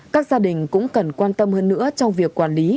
các gia đình cũng cần quan tâm hơn nữa trong việc quản lý